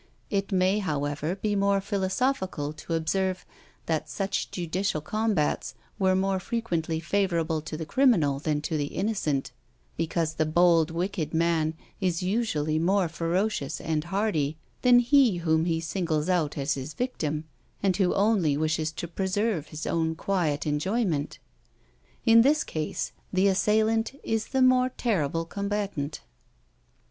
It may, however, be more philosophical to observe, that such judicial combats were more frequently favourable to the criminal than to the innocent, because the bold wicked man is usually more ferocious and hardy than he whom he singles out as his victim, and who only wishes to preserve his own quiet enjoyment: in this case the assailant is the more terrible combatant.